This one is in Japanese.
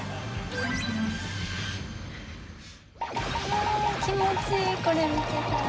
わっ気持ちいいこれ見てたら。